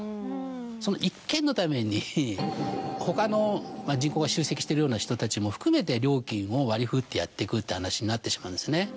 その１軒のために他の人口が集積しているような人たちも含めて料金を割り振ってやってくって話になってしまうんですね。